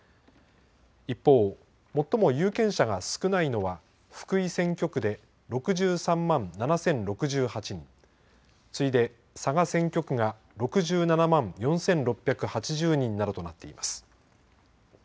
一方、最も有権者が少ないのは福井選挙区で６３万７０６８人、次いで佐賀選挙区が６７万４６８０人などとなっています。